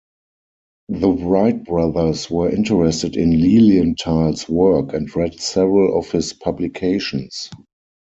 The Wright brothers were interested in Lilienthal's work and read several of his publications.